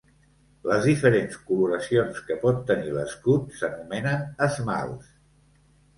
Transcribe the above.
Les diferents coloracions que pot tenir l'escut s'anomenen esmalts.